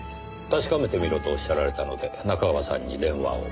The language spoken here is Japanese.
確かめてみろと仰られたので仲川さんに電話を。